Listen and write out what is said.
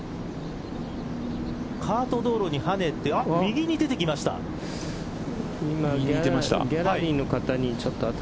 カート道路に跳ねて右に出てきました。